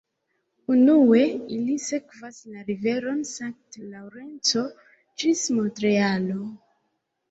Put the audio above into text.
Unue ili sekvas la riveron Sankt-Laŭrenco ĝis Montrealo.